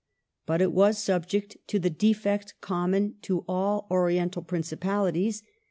But it was subject to the defect common to all Oriental Principalities.